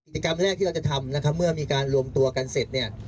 กรรมแรกที่เราจะทำนะครับเมื่อมีการรวมตัวกันเสร็จเนี่ย